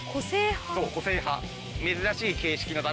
そう個性派。